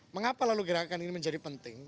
mengapa lalu gerakan ini menjadi penting